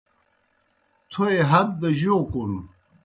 تھوئے ہت دہ جَوْ کُن؟